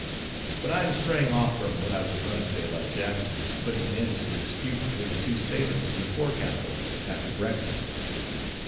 But I am straying off from what I was going to say about Jackson's putting an end to the dispute between the two sailors in the forecastle after breakfast.